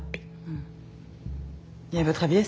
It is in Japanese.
うん。